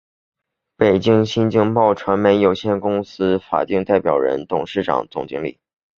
北京新京报传媒有限责任公司法定代表人、董事长、总经理